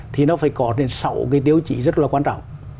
thì nó phải có đến sáu cái tiêu chí rất là quan trọng